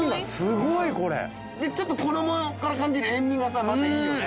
でちょっと衣から感じる塩味がさまたいいよね。